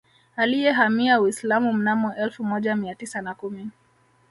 Aliyehamia Uislamu mnamo elfu moja Mia tisa na kumi